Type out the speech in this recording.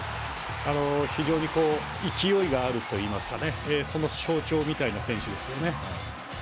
非常に勢いがあるといいますかその象徴みたいな選手ですよね。